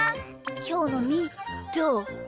きょうのみーどう？